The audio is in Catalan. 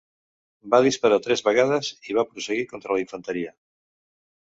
Va disparar tres vegades i va prosseguir contra la infanteria.